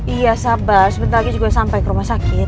iya sabar sebentar lagi juga sampai ke rumah sakit